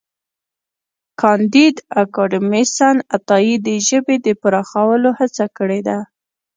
کانديد اکاډميسن عطايي د ژبې د پراخولو هڅه کړې ده.